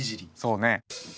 そうね。